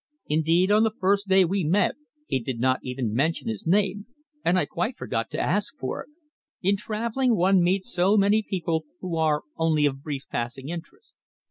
Indeed, on the first day we met, he did not even mention his name, and I quite forgot to ask for it. In travelling one meets so many people who are only of brief passing interest.